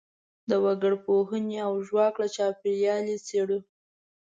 د وګړپوهنې او ژواک له چاپیریال یې څېړو.